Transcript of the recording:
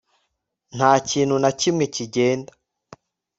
nta kintu na kimwe kigenda